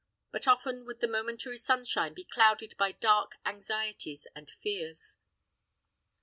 But often would the momentary sunshine be clouded by dark anxieties and fears.